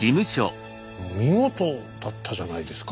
見事だったじゃないですか。